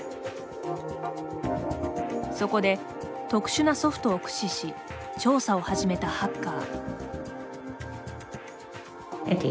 そこで、特殊なソフトを駆使し調査を始めたハッカー。